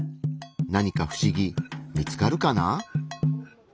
何かふしぎ見つかるかな？